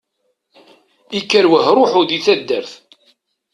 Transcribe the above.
Ikker wahruḥu di taddart.